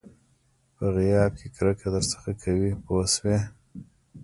په غیاب کې کرکه درڅخه کوي پوه شوې!.